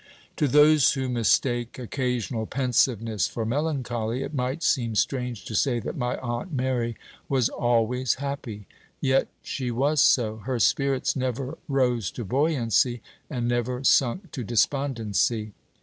To those who mistake occasional pensiveness for melancholy, it might seem strange to say that my Aunt Mary was always happy. Yet she was so. Her spirits never rose to buoyancy, and never sunk to despondency.